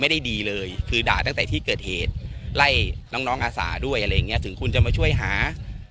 ดีเลยคือด่าตั้งแต่ที่เกิดเหตุไล่น้องน้องอาสาด้วยอะไรอย่างเงี้ถึงคุณจะมาช่วยหา